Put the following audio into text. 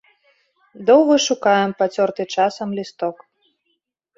Доўга шукаем пацёрты часам лісток.